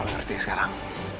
lo ngerti sekarang